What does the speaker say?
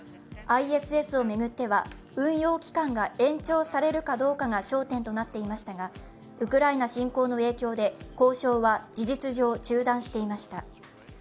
ＩＳＳを巡っては運用期間が延長されるかどうかが焦点となっていましたがウクライナ侵攻の影響で交渉は事実上中断していました。